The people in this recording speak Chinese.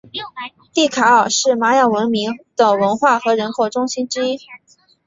蒂卡尔是玛雅文明的文化和人口中心之一。